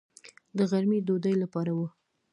د غرمې ډوډۍ لپاره و.